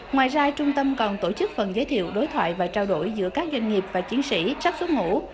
ngoài ra trung tâm còn tổ chức phần giới thiệu đối thoại và trao đổi giữa các doanh nghiệp và chiến sĩ sắp xuất ngũ